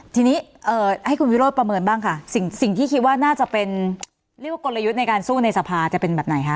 ทีนี้ให้คุณวิโรธประเมินบ้างค่ะสิ่งที่คิดว่าน่าจะเป็นเรียกว่ากลยุทธ์ในการสู้ในสภาจะเป็นแบบไหนคะ